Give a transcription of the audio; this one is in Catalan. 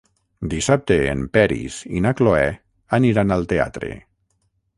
Dissabte en Peris i na Cloè aniran al teatre.